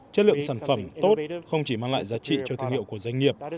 chất lượng sản phẩm tốt không chỉ mang lại giá trị cho thương hiệu của doanh nghiệp